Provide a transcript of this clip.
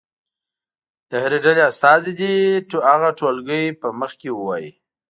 د هرې ډلې استازی دې هغه ټولګي په مخ کې ووایي.